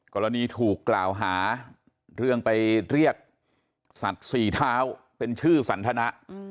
กรณีถูกกล่าวหาเรื่องไปเรียกสัตว์สี่เท้าเป็นชื่อสันทนะ